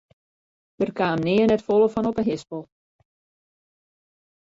Dêr kaam nea net folle fan op de hispel.